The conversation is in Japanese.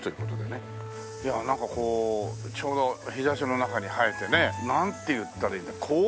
いやあなんかこうちょうど日差しの中に映えてねなんて言ったらいいんだろう